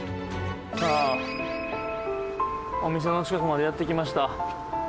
さあお店の近くまでやって来ました。